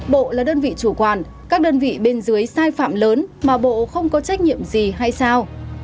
bộ là đơn vị chủ quản các đơn vị bên dưới sai phạm lớn mà bộ không có trách nhiệm gì hay sao